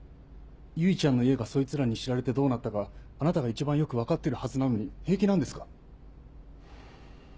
唯ちゃんの家がそいつらに知られてどうなったかあなたが一番よく分かってるはずなのに平気なんですか？